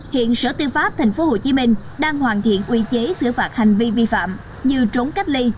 hiện sở tư pháp tp hcm đang hoàn thiện quy chế xử phạt hành vi vi phạm như trốn cách ly